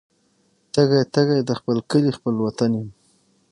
تږي، تږي د خپل کلي خپل وطن یم